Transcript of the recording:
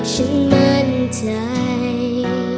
ฉันมั่นใจ